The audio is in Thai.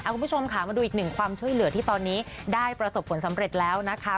คุณผู้ชมค่ะมาดูอีกหนึ่งความช่วยเหลือที่ตอนนี้ได้ประสบผลสำเร็จแล้วนะคะ